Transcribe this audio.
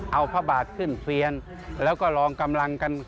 เอาพระบาทขึ้นเฟียนแล้วก็ลองกำลังกัน